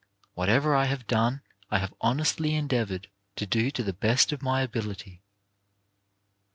Whatever I have done I have honestly endeavored to do to the best of my abil ity."